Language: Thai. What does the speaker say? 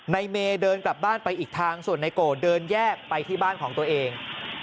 ในเมย์เดินกลับบ้านไปอีกทางส่วนนายโกเดินแยกไปที่บ้านของตัวเอง